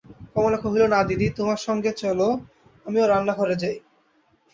কমলা কহিল, না দিদি, তোমার সঙ্গে, চলো, আমিও রান্নাঘরে যাই।